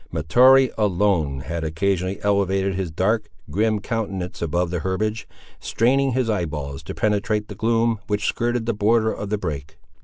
Mahtoree, alone, had occasionally elevated his dark, grim countenance above the herbage, straining his eye balls to penetrate the gloom which skirted the border of the brake.